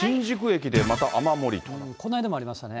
この間もありましたね。